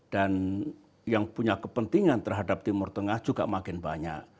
yang punya kepentingan terhadap timur tengah juga makin banyak